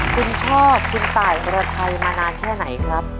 คุณชอบคุณตายอรไทยมานานแค่ไหนครับ